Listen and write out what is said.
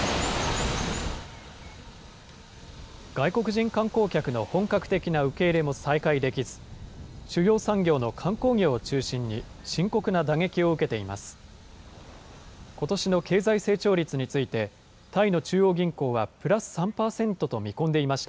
外国人観光客の本格的な受け入れも再開できず、主要産業の観光業を中心に深刻な打撃を受けています。